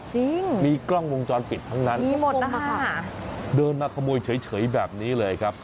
จริงมีกล้องวงจรปิดทั้งนั้นมีหมดนะคะเดินมาขโมยเฉยแบบนี้เลยครับ